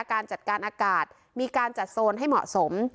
การจัดการอากาศมีการจัดโซนให้เหมาะสม